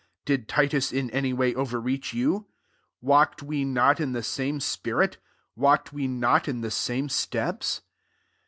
Did Titus in any way overreach you ? walked we not in the same spirit? walked we not in the same steps